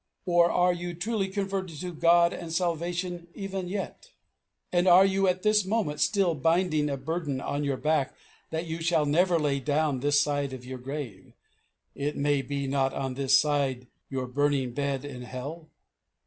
Or are you truly converted to God and to salvation even yet? And are you at this moment still binding a burden on your back that you shall never lay down on this side your grave it may be, not on this side your burning bed in hell?